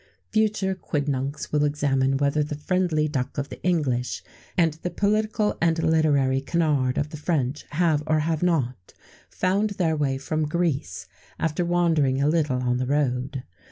Future quidnuncs will examine whether the friendly duck of the English and the political and literary canard of the French have, or have not, found their way from Greece, after wandering a little on the road.